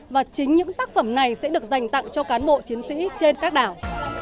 và chính những tác phẩm này sẽ được dành tặng cho cán bộ chiến sĩ trên các đảo